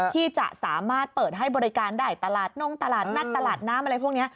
ที่จะสามารถเปิดให้บริการได้ตลาดนงตลาดนัดตลาดน้ำอะไรพวกนี้